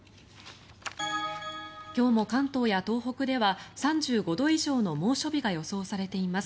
今日も関東や東北では３５度以上の猛暑日が予想されています。